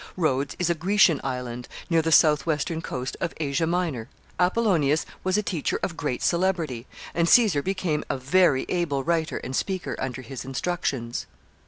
Rhodes is a Grecian island, near the southwestern coast of Asia Minor Apollonius was a teacher of great celebrity, and Caesar became a very able writer and speaker under his instructions.